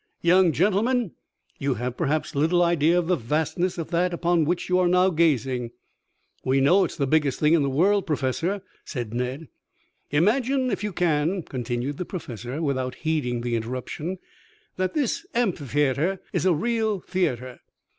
"Young gentlemen, you have, perhaps, little idea of the vastness of that upon which you are now gazing." "We know it is the biggest thing in the world, Professor," said Ned. "Imagine, if you can," continued the Professor, without heeding the interruption, "that this amphitheatre is a real theatre.